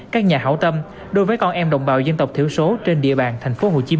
các nhà hảo tâm đối với con em đồng bào dân tộc thiểu số trên địa bàn tp hcm